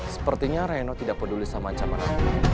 sepertinya reno tidak peduli sama macam kakaknya